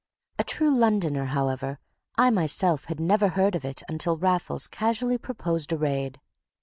A true Londoner, however, I myself had never heard of it until Raffles casually proposed a raid.